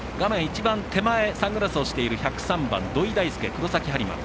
サングラスをしている１０３番、土井大輔、黒崎播磨。